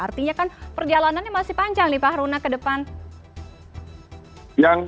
artinya kan perjalanannya masih panjang nih pak haruna ke depan